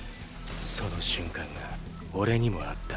その瞬間が俺にもあった。